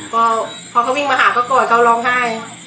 พอเขาวิ่งมาหาก่อนเขาร้องห้าย